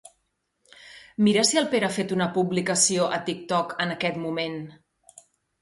Mira si el Pere ha fet una publicació a TikTok en aquest moment.